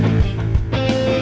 saya akan menemukan mereka